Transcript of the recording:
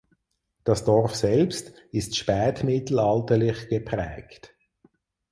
Das Dorf selbst ist spätmittelalterlich geprägt.